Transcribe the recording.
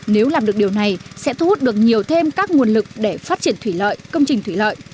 nếu làm được điều này sẽ thu hút được nhiều thêm các nguồn lực để phát triển thủy lợi công trình thủy lợi